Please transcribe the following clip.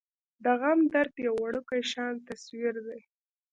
د غم درد يو وړوکے شان تصوير دے ۔